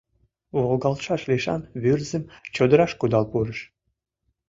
Волгалтшаш лишан Вӱрзым чодыраш кудал пурыш.